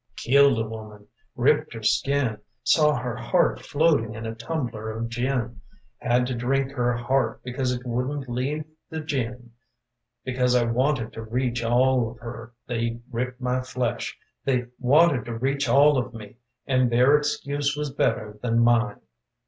Killed a woman: ripped her skin. Saw her heart floating in a tumbler of gin. Had to drink her heart because it wouldn't leave the gin. Because I wanted to reach all of her They ripped my flesh. They wanted to reach all of me And their excuse was better than mine.